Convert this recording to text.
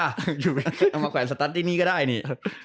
เอามาแขวนสตัสที่นี่ก็ได้นี่